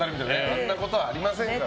あんなことはありませんけど。